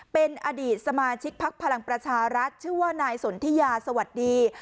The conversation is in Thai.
เป็นอดีตสมาชิกพักพลังประชารัฐชื่อว่านายสนทิยาสวัสดี